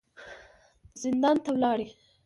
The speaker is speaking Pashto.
زندان ته ولاړې.